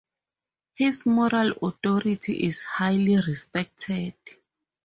His moral authority is highly respected.